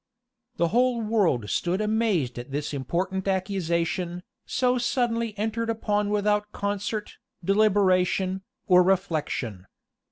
The whole world stood amazed at this important accusation, so suddenly entered upon without concert, deliberation, or reflection.